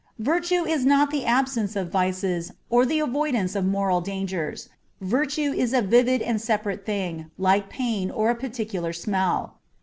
Virtue is not the absence of vices or the dvoidance of moral dangers ; virtue is a vivid and separate thing, like pain or a particular smell.